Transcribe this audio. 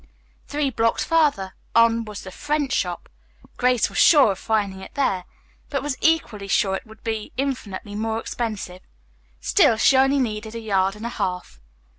Three blocks farther on was the "French Shop." Grace was sure of finding it there, but was equally sure it would be infinitely more expensive. Still, she only needed a yard and a half.